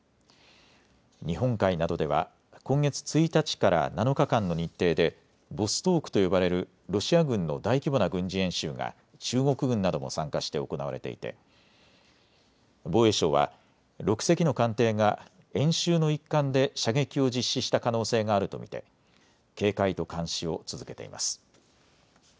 日本海などでは今月１日から７日間の日程でボストークと呼ばれるロシア軍の大規模な軍事演習が中国軍なども参加して行われていて防衛省は６隻の艦艇が演習の一環で射撃を実施した可能性があると見て警戒と監視を続けています。